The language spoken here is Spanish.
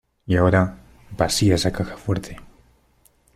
Y ahora, vacía esa caja fuerte.